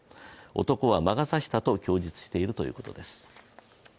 男は魔が差したと供述しているということです。